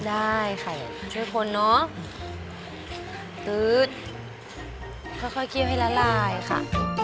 ได้ค่ะช่วยคนเนอะค่อยเกี้ยวให้ละลายค่ะ